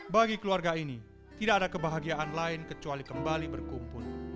bagi keluarga ini tidak ada kebahagiaan lain kecuali kembali berkumpul